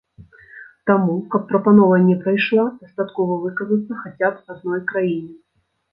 Таму, каб прапанова не прайшла, дастаткова выказацца хаця б адной краіне.